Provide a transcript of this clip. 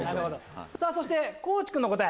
そして地君の答え。